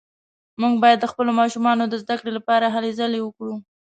موږ باید د خپلو ماشومانو د زده کړې لپاره هلې ځلې وکړو